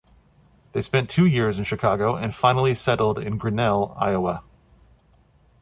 They spent two years in Chicago and finally settled in Grinnell, Iowa.